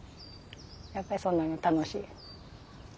やっぱりそんなんが楽しい。